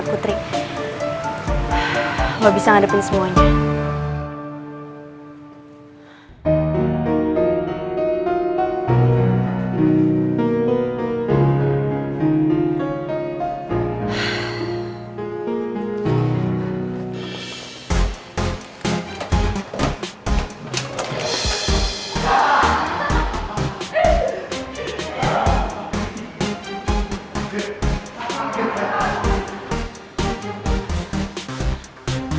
kok mbak bisa tau kalo istri saya abis melahirkan